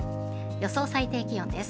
予想最低気温です。